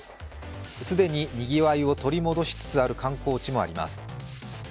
既ににぎわいを取り戻しつつある観光地もあります。